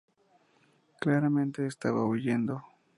Claramente estaba huyendo.